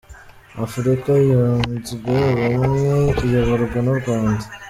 Afurika yunzwe ubumwe iyoborwa n’ u Rwanda.